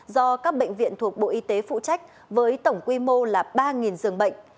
do các bệnh viện thuộc bộ y tế phụ trách với tổng quy mô là ba giường bệnh